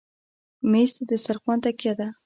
مېز د دسترخوان تکیه ده.